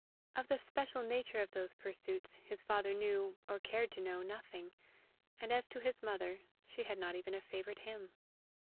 Of the special nature of those pursuits his father knew, or cared to know, nothing; and as to his mother, she had not even a favorite hymn.